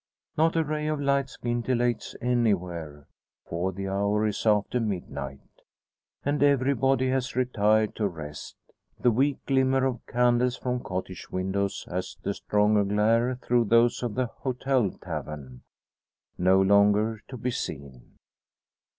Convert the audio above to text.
Not a ray of light scintillates anywhere; for the hour is after midnight, and everybody has retired to rest; the weak glimmer of candles from cottage windows, as the stronger glare through those of the hotel tavern, no longer to be seen.